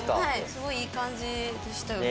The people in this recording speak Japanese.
すごいいい感じでしたよね。